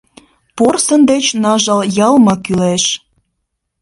Порсын деч ныжыл йылме кӱлеш.